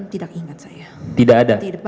tidak ingat saya tidak ada